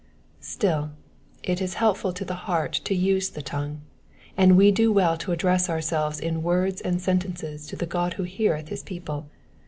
*' Still, it is helpful to the heart to use the tongue, and we do well to address ourselves in words and sentences to the God who heareth his people.